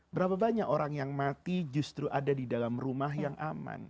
berapa banyak orang yang mati justru ada di dalam rumah yang aman